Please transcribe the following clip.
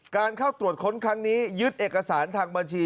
การเข้าตรวจค้นครั้งนี้ยึดเอกสารทางบัญชี